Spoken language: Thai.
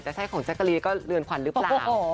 ใช่ของแจ๊กกะรีก็เรือนขวัญหรือเปล่า